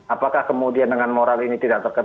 apakah kemudian dengan moral ini tidak terkena